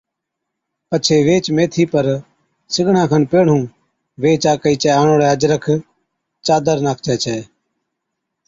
پڇي ويهچ ميٿِي پر سِگڙان کن پيھڻُون ويھچ آڪھِي چَي آڻوڙَي اجرڪ، چادر ناکجَي ڇَي